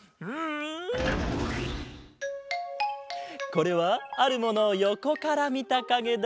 これはあるものをよこからみたかげだ。